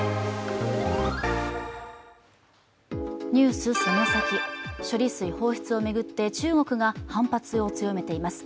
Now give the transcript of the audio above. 「ＮＥＷＳそのサキ！」、処理水放出を巡って中国が反発を強めています。